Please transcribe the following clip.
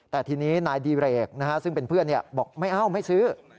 แต่ทีนี้นายดีเรกซึ่งเป็นเพื่อนบอกไม่เอาไม่ซื้อ